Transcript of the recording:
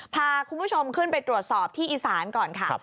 พาคุณผู้ชมขึ้นไปตรวจสอบที่อีสานก่อนค่ะ